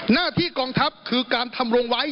หน้าที่กองทัพคือการทำลงไว้